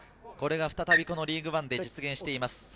これが再びこのリーグワンで実現しています。